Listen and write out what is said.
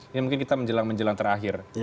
ini mungkin kita menjelang menjelang terakhir